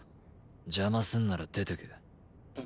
邪魔すんなら出てけ。